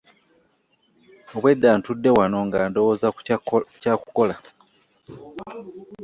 Obwedda ntudde wano nga ndowooza kyakukola.